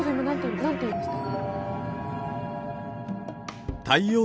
今何て言いました？